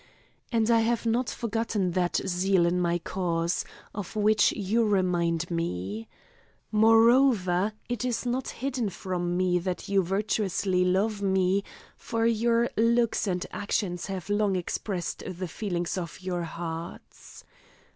And I have not forgotten that zeal in my cause, of which you remind me. Moreover, it is not hidden from me that you virtuously love me, for your looks and actions have long expressed the feelings of your hearts.